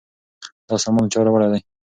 دا سامان چا راوړی دی؟